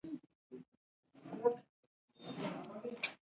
افغانستان فعاله ماتې لري چې زلزلې رامنځته کوي